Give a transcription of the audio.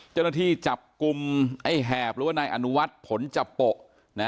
เจ้าหน้าที่จับกลุ่มไอ้แหบหรือว่านายอนุวัฒน์ผลจับโปะ